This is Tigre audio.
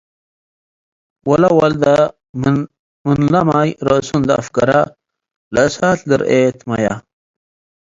ወለወልደ ምን ለማይ ረአሱ እንዴ አፍገረ ለእሳት ልርኤ ትመየ።